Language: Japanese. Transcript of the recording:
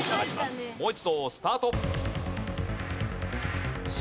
もう一度スタート。